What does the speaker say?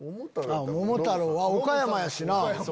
『桃太郎』は岡山やしな。